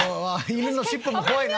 犬の尻尾も怖いな！